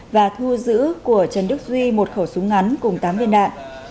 và thu giữ của trần đức duy một khẩu súng ngắn cùng tám viên đạn